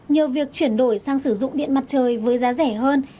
nhờ việc chuyển đổi sang sử dụng điện mặt trời với giá rẻ hơn